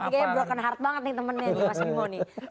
kayaknya broken heart banget nih temennya mas bimo nih